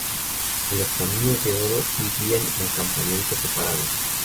En los campos de oro vivían en campamentos separados.